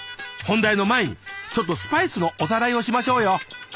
本題の前にちょっとスパイスのおさらいをしましょうよ。